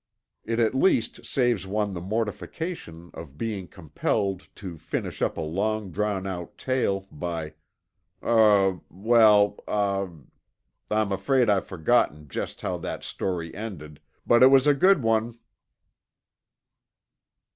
It at least saves one the mortification of being compelled to finish up a long drawn out tale by an: "Er well, um m m I'm afraid I've forgotten just how that story ended but it was a good one!"